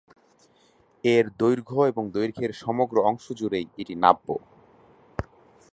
এর দৈর্ঘ্য এবং দৈর্ঘ্যের সমগ্র অংশ জুড়েই এটি নাব্য।